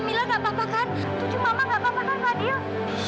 tuju mama gak apa apa kan fadil